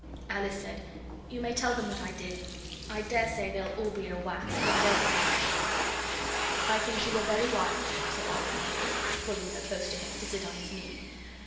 Alice said, 'You may tell them what I did. I daresay they'll all be in a wax, but I don't care.' 'I think you were very wise,' said Albert's uncle, pulling her close to him to sit on his knee.